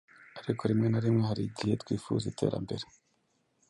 Ariko rimwe na rimwe hari igihe twifuza iterambere